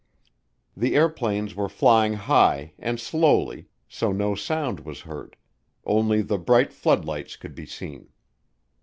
The airplanes were flying high, and slowly, so no sound was heard; only the bright floodlights could be seen.